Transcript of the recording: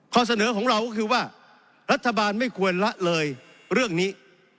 ข้อเสนอของเราก็คือว่ารัฐบาลไม่ควรละเลยเรื่องนี้